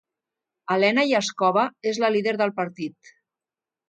Alena Yaskova és la líder del partit.